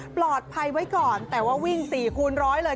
ปลอดภัยไว้ก่อนแต่ว่าวิ่ง๔คูณร้อยเลย